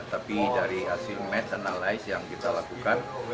tapi dari hasil metanalyse yang kita lakukan